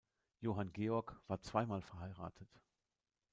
Johann Georg war zweimal verheiratet.